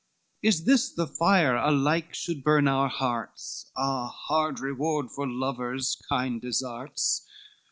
Is this the fire alike should burn our hearts? Ah, hard reward for lovers' kind desarts!